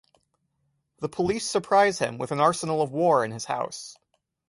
The police surprise him with an arsenal of war in his house.